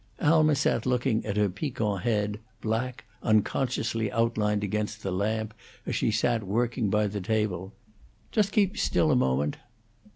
Alma sat looking at her piquant head, black, unconsciously outlined against the lamp, as she sat working by the table. "Just keep still a moment!"